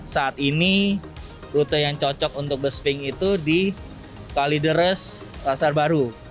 saat ini rute yang cocok untuk bus pink itu di carly deres pasar baru